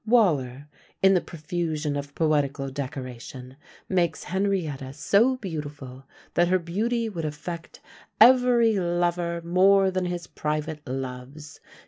Waller, in the profusion of poetical decoration, makes Henrietta so beautiful, that her beauty would affect every lover "more than his private loves."